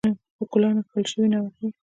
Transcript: په ګلانو ښکلل سوې ناوکۍ